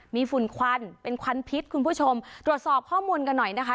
มีฝุ่นควันเป็นควันพิษคุณผู้ชมตรวจสอบข้อมูลกันหน่อยนะคะ